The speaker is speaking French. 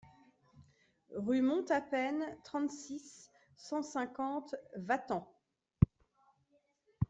Rue Monte à Peine, trente-six, cent cinquante Vatan